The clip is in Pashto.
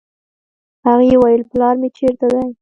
هغې وويل پلار مې چېرته دی.